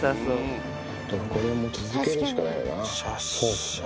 これを続けるしかないかな。